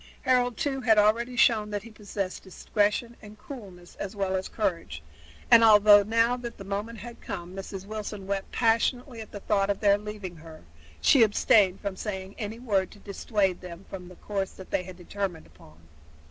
Harold, too, had already shown that he possessed discretion and coolness as well as courage, and although now that the moment had come Mrs. Wilson wept passionately at the thought of their leaving her, she abstained from saying any word to dissuade them from the course they had determined upon.